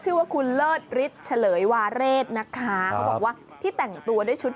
ชื่อว่าคุณเลิศฤทธิ์เฉลยวาเรศนะคะเขาบอกว่าที่แต่งตัวด้วยชุด